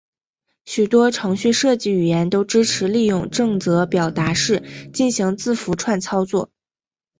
许多程序设计语言都支持利用正则表达式进行字符串操作。